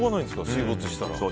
水没したら。